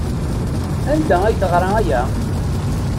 Anda ay teɣra aya?